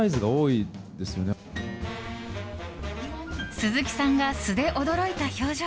鈴木さんが素で驚いた表情。